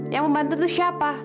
yang membantu itu siapa